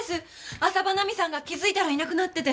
浅羽奈美さんが気付いたらいなくなってて。